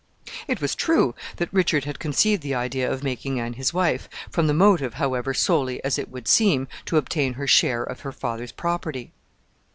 It was true that Richard had conceived the idea of making Anne his wife, from the motive, however, solely, as it would seem, to obtain her share of her father's property.